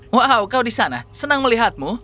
wow kau di sana senang melihatmu